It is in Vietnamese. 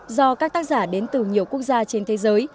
do các tác giả đến từ nhiều quốc gia trên thế giới